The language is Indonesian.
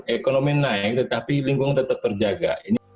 ekonomi naik tetapi lingkungan tetap terjaga